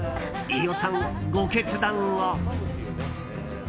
飯尾さん、ご決断を。